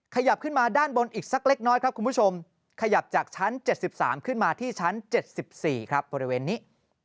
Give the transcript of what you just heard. ขยับขึ้นมาด้านบนอีกสักเล็กน้อยครับคุณผู้ชมขยับจากชั้น๗๓ขึ้นมาที่ชั้น๗๔ครับบริเวณนี้